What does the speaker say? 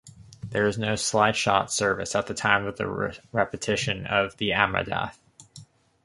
There is no Slichot service at the time of the repetition of the Amidah.